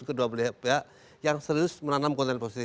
enggak ada satupun dari kedua belia pihak yang serius menanam konten positif